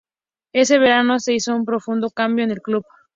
Ese verano se hizo un profundo cambio en el club.